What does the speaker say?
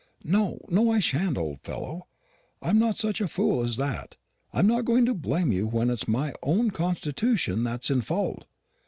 "No, no, I shan't, old fellow; I'm not such a fool as that. I'm not going to blame you when it's my own constitution that's in fault.